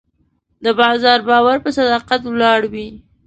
د بازار باور په صداقت ولاړ وي.